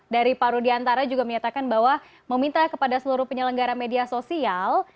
dari pak rudiantara juga menyatakan bahwa meminta kepada seluruh penyelenggara media sosial